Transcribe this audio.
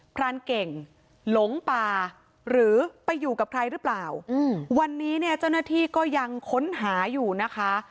พรานเก่งหลงป่าหรือไปอยู่กับใครหรือเปล่าวันนี้เนี่ยเจ้าหน้าที่ก็ยังค้นหาอยู่นะคะ